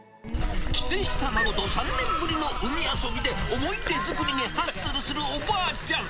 帰省した孫と３年ぶりの海遊びで思い出作りにハッスルするおばあちゃん。